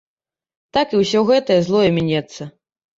Так і ўсё гэтае злое мінецца.